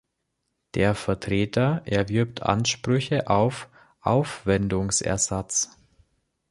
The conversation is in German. Der „Vertreter“ erwirbt Ansprüche auf Aufwendungsersatz.